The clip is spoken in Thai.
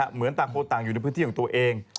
เหมือนต่างคนต่างอยู่ในพื้นที่ของตัวเอง